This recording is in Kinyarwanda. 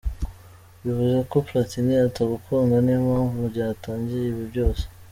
Bivuze ko Platini atagukunda niyo mpamvu byatangiye ibi byose?.